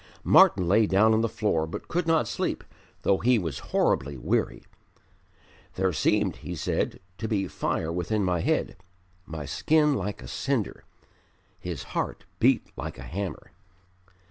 Martyn lay down on the floor but could not sleep, though he was horribly weary. "There seemed," he said, "to be fire within my head, my skin like a cinder." His heart beat like a hammer.